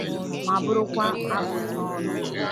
ma bụrụkwa agụtaọnụ.